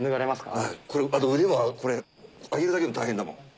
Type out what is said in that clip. あと腕も上げるだけでも大変だもん。